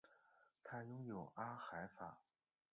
它拥有阿海珐。